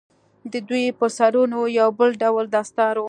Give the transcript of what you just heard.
د دوى پر سرونو يو بل ډول دستار و.